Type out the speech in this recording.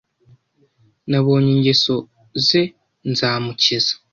Nabonye ingeso ze nzamukiza